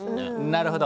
なるほど。